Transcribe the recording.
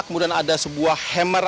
kemudian ada sebuah hemmel